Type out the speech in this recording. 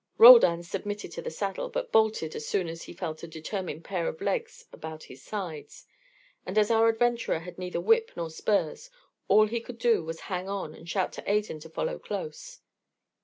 Roldan's submitted to the saddle, but bolted as soon as he felt a determined pair of legs about his sides; and as our adventurer had neither whip nor spurs, all he could do was to hang on and shout to Adan to follow close.